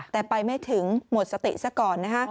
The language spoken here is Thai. แต่ไปไม่ถึงหมดสติซะก่อนนะคะ